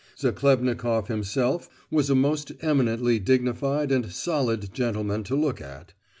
Zachlebnikoff himself was a most eminently dignified and "solid" gentleman to look at.